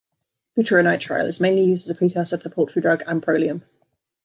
Butyronitrile is mainly used as a precursor to the poultry drug amprolium.